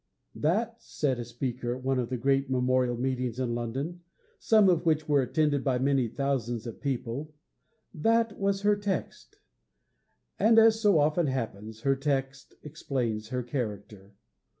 'That,' said a speaker at one of the great Memorial Meetings in London, some of which were attended by many thousand people, 'that was her text!' And, as so often happens, her text explains her character.